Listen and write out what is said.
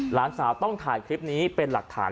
หลานสาวต้องถ่ายคลิปนี้เป็นหลักฐาน